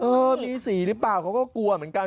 เออมีสีหรือเปล่าเขาก็กลัวเหมือนกัน